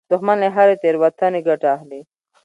دښمن له هرې تېروتنې ګټه اخلي